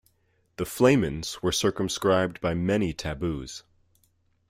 The "flamines" were circumscribed by many taboos.